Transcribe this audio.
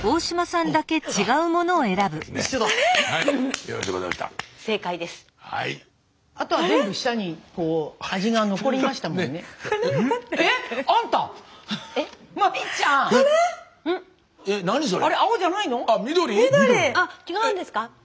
あっ違うんですか？